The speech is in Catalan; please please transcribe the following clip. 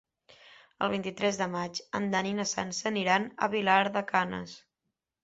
El vint-i-tres de maig en Dan i na Sança aniran a Vilar de Canes.